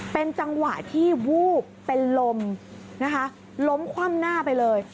เป็นจังหวะที่วูบเป็นลมนะคะล้มคว่ำหน้าไปเลย